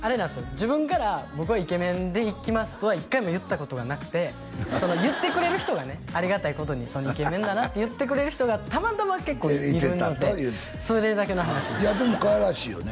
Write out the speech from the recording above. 自分から僕はイケメンでいきますとは１回も言ったことがなくて言ってくれる人がねありがたいことにイケメンだなって言ってくれる人がたまたま結構いるのでそれだけの話ですでもかわいらしいよね